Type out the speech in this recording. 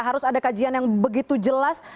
harus ada kajian yang begitu jelas